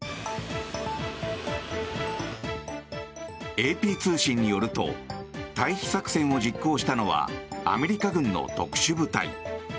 ＡＰ通信によると退避作戦を実行したのはアメリカ軍の特殊部隊。